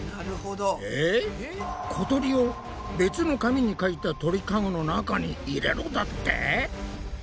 小鳥を別の紙にかいた鳥かごの中に入れろだって？